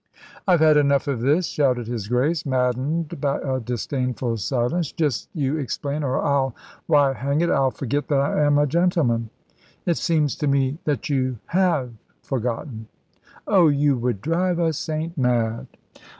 "I've had enough of this," shouted his Grace, maddened by a disdainful silence. "Just you explain, or I'll why, hang it, I'll forget that I am a gentleman." "It seems to me that you have forgotten." "Oh! You would drive a saint mad."